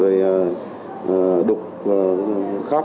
rồi đục khắp